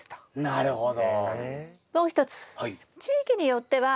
なるほど。